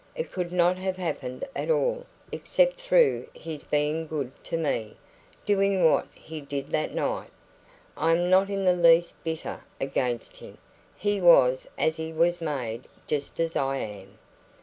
It could not have happened at all, except through his being good to me doing what he did that night. I am not in the least bitter against him; he was as he was made just as I am.